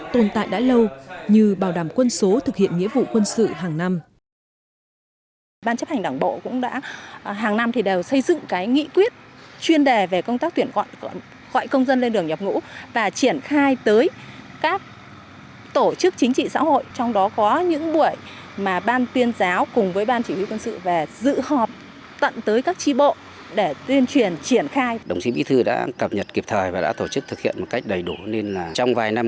tồn tại đã lâu như bảo đảm quân số thực hiện nghĩa vụ quân sự hàng năm